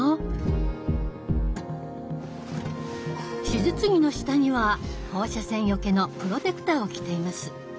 手術着の下には放射線よけのプロテクターを着ています。